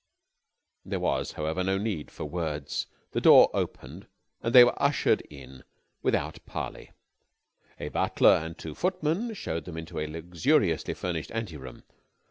There was, however, no need for words. The door opened, and they were ushered in without parley. A butler and two footmen showed them into a luxuriously furnished anteroom.